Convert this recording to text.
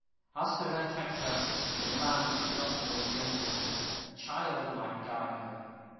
As to her temper, the lamb is not more gentle. A child might guide her.